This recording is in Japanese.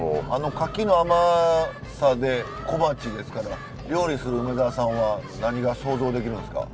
柿の甘さで小鉢ですから料理する梅沢さんは何が想像できるんですか？